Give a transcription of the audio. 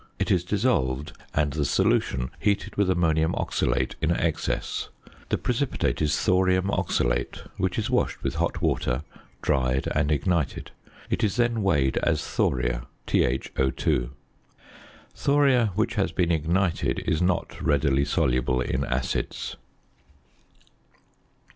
It is dissolved, and the solution heated with ammonium oxalate in excess. The precipitate is thorium oxalate, which is washed with hot water, dried, and ignited. It is then weighed as thoria, ThO_. Thoria which has been ignited is not readily soluble in acids.